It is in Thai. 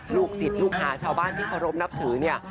ลูกศิษย์ลูกหาชาวบ้านที่เคารพนับถือเนี่ย